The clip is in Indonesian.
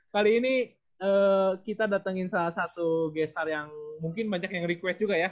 kali ini kita datengin salah satu gestar yang mungkin banyak yang request juga ya